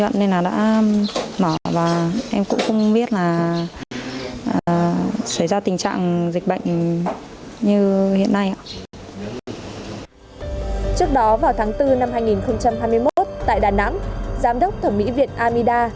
trước đó vào tháng bốn năm hai nghìn hai mươi một tại đà nẵng giám đốc thẩm mỹ viện amida